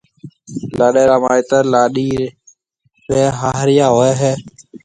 لاڏيَ را مائيتر لاڏيِ ريَ هاهريا هوئي هيَ۔